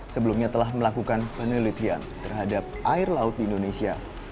sebelumnya telah melakukan penelitian terhadap air laut di indonesia